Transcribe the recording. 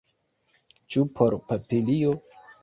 Ĉu por papilio?